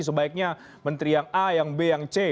sebaiknya menteri yang a yang b yang c